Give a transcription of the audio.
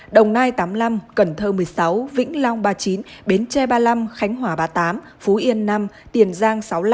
đồng nai tám mươi năm cần thơ một mươi sáu vĩnh long ba mươi chín bến tre ba mươi năm khánh hòa ba mươi tám phú yên năm tiền giang sáu mươi năm